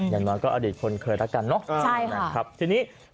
อย่างนั้นก็อดีตคนเคยรักกันเนาะนะครับทีนี้ใช่ค่ะ